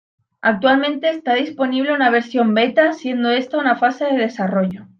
Actualmente está disponible una versión beta, siendo esta una fase de desarrollo.